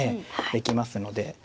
できますので。